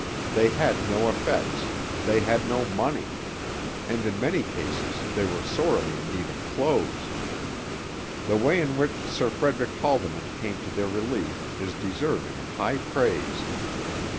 They had no effects; they had no money; and in many cases they were sorely in need of clothes. The way in which Sir Frederick Haldimand came to their relief is deserving of high praise.